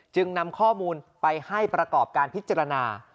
จึงนำข้อมูลไปให้ประกอบการพิจารณา